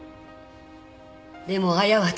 でも亜矢は違う。